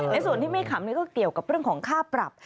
ในส่วนที่ไม่ขำนี่ก็เกี่ยวกับเรื่องของค่าปรับ